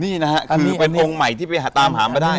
นี่นะฮะคือเป็นองค์ใหม่ที่ไปหาตามหามาได้